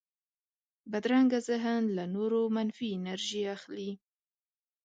بدرنګه ذهن له نورو منفي انرژي اخلي